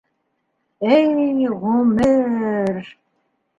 Эй ғүмер!